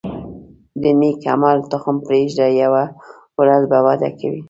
د نیک عمل تخم پرېږده، یوه ورځ به وده کوي.